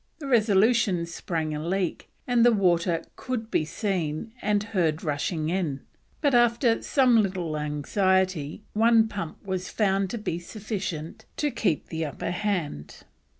The Resolution sprang a leak, and the water could be seen and heard rushing in, but after some little anxiety one pump was found to be sufficient to keep the upper hand.